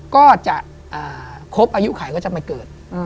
ก็จะคบอายุข่ายก็จะมาเกิด